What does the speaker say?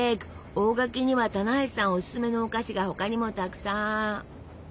大垣には棚橋さんおすすめのお菓子が他にもたくさん！